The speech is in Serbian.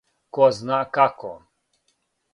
Ко зна како?